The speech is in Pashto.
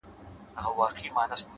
نن والله پاك ته لاسونه نيسم-